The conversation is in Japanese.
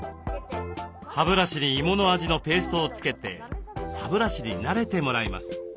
歯ブラシに芋の味のペーストを付けて歯ブラシに慣れてもらいます。